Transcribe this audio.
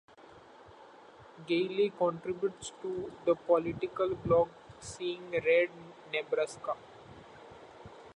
Gailey contributes to the political blog Seeing Red Nebraska.